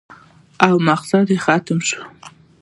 او مقصد ختم شي